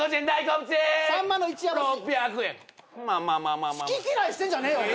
好き嫌いしてんじゃねえよ！